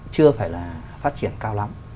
chưa phải là phát triển cao lắm